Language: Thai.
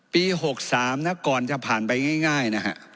ปี๖๓นะก่อนจะผ่านไปง่ายนะฮะ